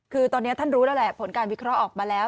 คือตอนนี้ท่านรู้แล้วแหละผลการวิเคราะห์ออกมาแล้ว